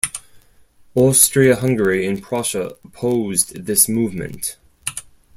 Austria-Hungary and Prussia opposed this movement.